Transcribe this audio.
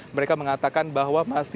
mereka mengatakan bahwa